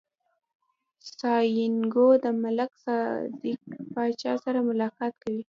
سانتیاګو د ملک صادق پاچا سره ملاقات کوي.